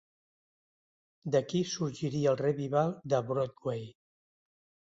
D'aquí sorgiria el revival de Broadway.